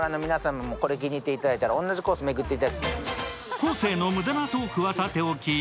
昴生の無駄なトークはさておき